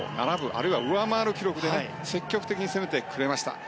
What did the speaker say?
あるいは上回る記録で積極的に攻めてくれました。